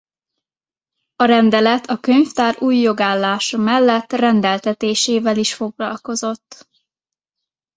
A rendelet a könyvtár új jogállása mellett rendeltetésével is foglalkozott.